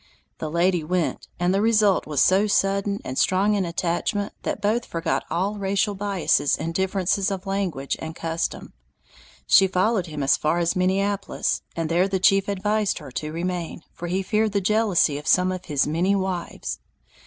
The lady went, and the result was so sudden and strong an attachment that both forgot all racial biases and differences of language and custom. She followed him as far as Minneapolis, and there the chief advised her to remain, for he feared the jealousy of some of his many wives.